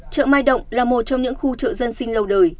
chợ mai động là một trong những khu chợ dân sinh lâu đời